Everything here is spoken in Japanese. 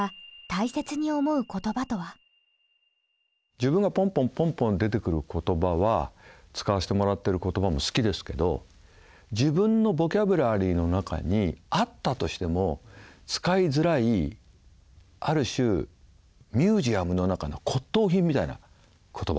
自分がポンポンポンポン出てくる言葉は使わしてもらってる言葉も好きですけど自分のボキャブラリーの中にあったとしても使いづらいある種ミュージアムの中の骨とう品みたいな言葉。